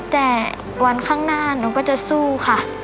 แต่วันข้างหน้าหนูก็จะสู้ค่ะ